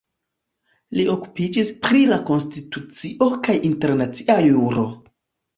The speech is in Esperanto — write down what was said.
Li okupiĝis pri la konstitucio kaj internacia juro.